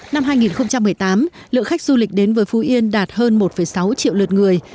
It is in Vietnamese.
năm hai nghìn một mươi tám lượng khách du lịch đến với phú yên đạt hơn một sáu triệu lượt người